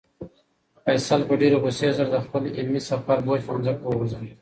فیصل په ډېرې غوسې سره د خپل علمي سفر بوج په ځمکه وغورځاوه.